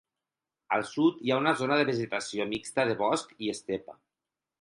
Al sud, hi ha una zona de vegetació mixta de bosc i estepa.